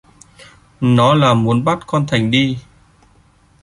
Nó là muốn bắt con Thành đi